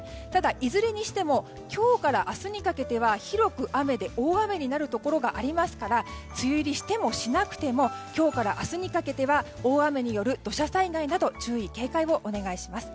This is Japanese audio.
いずれにせよ今日から明日にかけて広く雨で大雨になるところがありますから梅雨入りしてもしなくても今日から明日にかけては大雨による土砂災害に注意・警戒をお願いします。